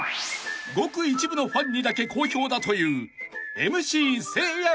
［ごく一部のファンにだけ好評だという］